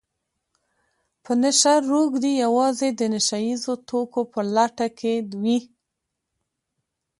په نشه روږدي يوازې د نشه يیزو توکو په لټه کې وي